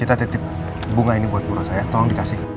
ini aja kita titip bunga ini buat buruk saya tolong dikasih